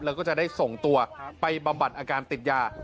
แล้วก็จะได้ส่งตัวไปบำบัดอาการติดยา